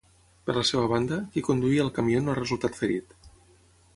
Per la seva banda, qui conduïa el camió no ha resultat ferit.